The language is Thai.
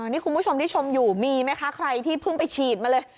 นี่คุณผู้ชมที่ชมอยู่มีไหมคะใครที่เพิ่งไปฉีดมาเลย